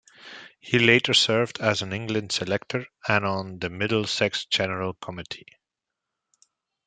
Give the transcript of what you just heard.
He later served as an England selector and on the Middlesex General Committee.